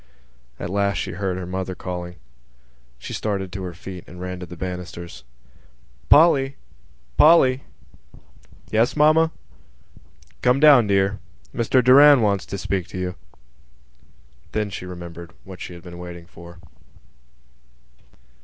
At last she heard her mother calling. She started to her feet and ran to the banisters. "Polly! Polly!" "Yes, mamma?" "Come down, dear. Mr Doran wants to speak to you." Then she remembered what she had been waiting for.